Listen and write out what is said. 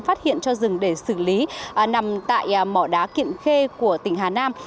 phát hiện cho rừng để xử lý nằm tại mỏ đá kiện khê của tỉnh hà nam